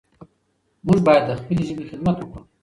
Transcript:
موږ باید د خپلې ژبې خدمت وکړو.